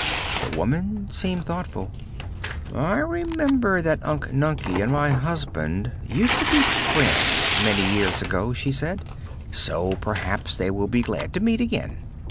The woman seemed thoughtful. "I remember that Unc Nunkie and my husband used to be friends, many years ago," she said, "so perhaps they will be glad to meet again.